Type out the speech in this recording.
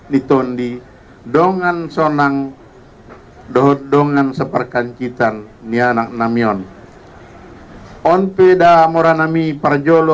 nitondi dengan sonang dohodongan separkan citan nianak namion onpeda moranami parjolo